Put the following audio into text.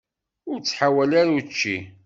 Ur ttḥawal ara učči.